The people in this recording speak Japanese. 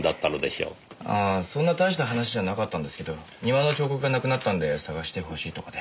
ああそんな大した話じゃなかったんですけど庭の彫刻がなくなったんで探してほしいとかで。